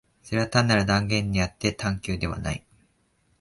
それは単なる断言であって探求ではない。